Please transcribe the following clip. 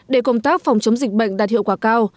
để công tác phòng chống dịch bệnh đạt hiệu quả cao